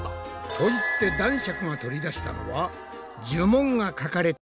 と言って男爵が取り出したのは呪文が書かれた札。